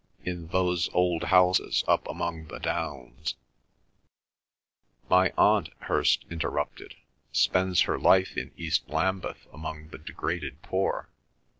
In those old houses, up among the Downs—" "My Aunt," Hirst interrupted, "spends her life in East Lambeth among the degraded poor.